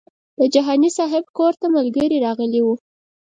د جهاني صاحب کور ته ملګري راغلي وو.